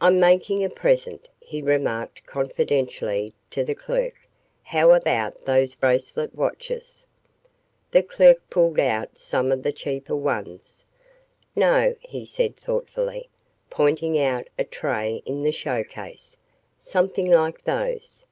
"I'm making a present," he remarked confidentially to the clerk. "How about those bracelet watches?" The clerk pulled out some of the cheaper ones. "No," he said thoughtfully, pointing out a tray in the show case, "something like those."